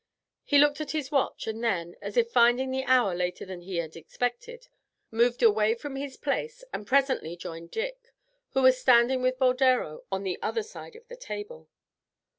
He looked at his watch and then, as if finding the hour later than he had expected, moved away from his place, and presently joined Dick, who was standing with Boldero on the other side of the table.